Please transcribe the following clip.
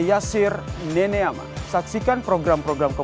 tapi mau menjadi penasihat berapa apa